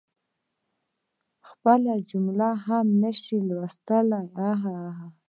خپلي جملی هم نشي لوستلی هههه